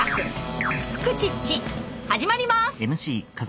「フクチッチ」始まります！